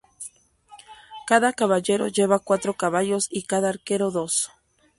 Cada caballero llevaba cuatro caballos y cada arquero, dos.